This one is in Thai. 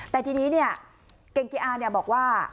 แต่ตอนนี้แก่งเกียร์ก็บอกว่า